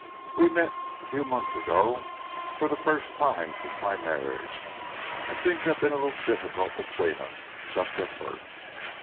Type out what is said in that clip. "We met, a few months ago, for the first time since my marriage, and things have been a little difficult between us just at first.